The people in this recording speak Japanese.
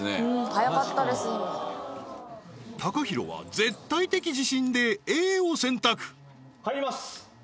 今ＴＡＫＡＨＩＲＯは絶対的自信でＡを選択入ります！